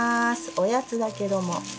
おやつだけども。